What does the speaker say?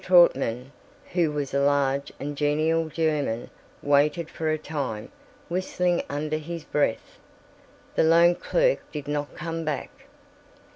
Trautman, who was a large and genial German, waited for a time, whistling under his breath. The loan clerk did not come back.